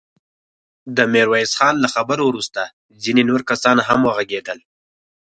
د ميرويس خان له خبرو وروسته ځينې نور کسان هم وغږېدل.